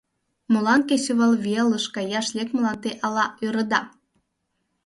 Молан кечывалвелыш каяш лекмылан те ала ӧрыда?